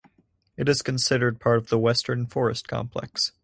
It is considered part of the Western Forest Complex.